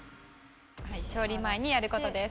調理前にやる事です。